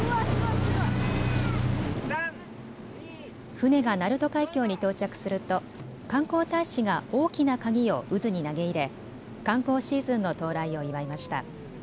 船が鳴門海峡に到着すると観光大使が大きな鍵を渦に投げ入れ観光シーズンの到来を祝いました。